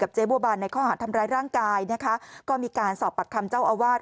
เจ๊บัวบานในข้อหาดทำร้ายร่างกายนะคะก็มีการสอบปากคำเจ้าอาวาส